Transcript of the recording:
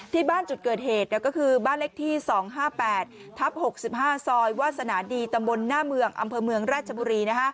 ที่บ้านจุดเกิดเหตุก็คือบ้านเลขที่๒๕๘ทับ๖๕ซอยวาสนาดีตำบลหน้าเมืองอำเภอเมืองราชบุรี